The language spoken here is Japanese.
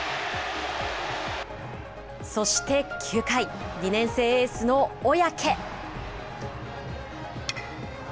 そして９回、２年生エースの小宅。